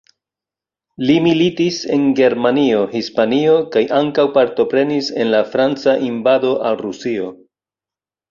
Li militis en Germanio, Hispanio kaj ankaŭ partoprenis en la Franca invado al Rusio.